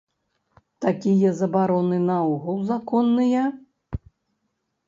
Такія забароны наогул законныя?